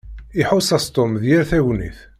Iḥuss-as Tom d yir tagnit.